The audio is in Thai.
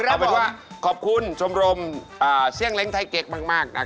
เอาเป็นว่าขอบคุณชมรมเสี่ยงเล้งไทยเก๊กมากนะครับ